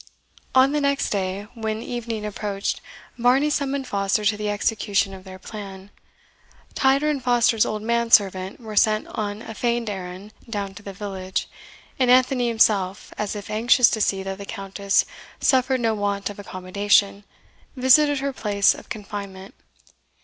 On the next day, when evening approached, Varney summoned Foster to the execution of their plan. Tider and Foster's old man servant were sent on a feigned errand down to the village, and Anthony himself, as if anxious to see that the Countess suffered no want of accommodation, visited her place of confinement.